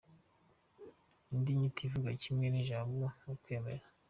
Indi nyito ivuga kimwe n’ijabo ni ubwema.